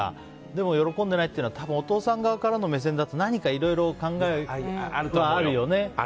でも、喜んでいないということはお父さんの目線だと何かいろいろ考えはあるよね。